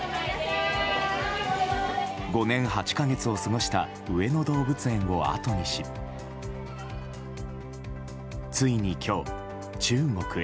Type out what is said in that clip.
５年８か月を過ごした上野動物園をあとにしついに今日、中国へ。